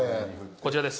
こちらです。